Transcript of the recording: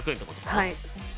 はい。